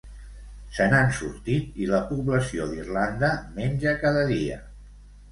Se n'han sortit i la població d'Irlanda menja cada dia.